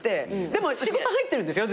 でも仕事入ってるんですよ